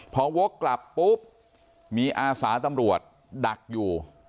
พอโว๊คกลับปุ๊บมีอาสาทันโรกดักอยู่